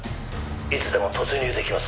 「いつでも突入出来ます」